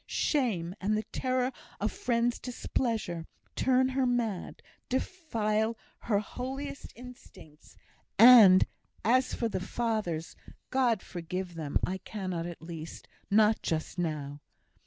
Shame, and the terror of friends' displeasure, turn her mad defile her holiest instincts; and, as for the fathers God forgive them! I cannot at least, not just now."